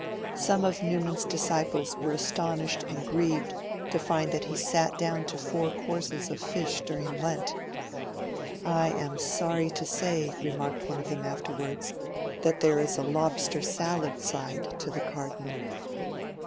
Some of Newman's disciples were astonished and grieved to find that he sat down to four courses of fish during Lent. 'I am sorry to say,' remarked one of them afterwards, 'that there is a lobster salad side to the Cardinal.'